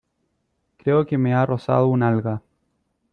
Creo que me ha rozado un alga.